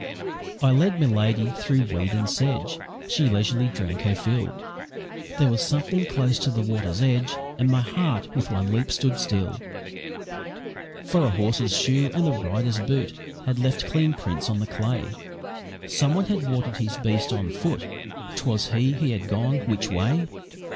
I led Miladi through weed and sedge, She leisurely drank her fill; There was something close to the water's edge, And my heart with one leap stood still, For a horse's shoe and a rider's boot Had left clean prints on the clay; Someone had watered his beast on foot. 'Twas he he had gone. Which way?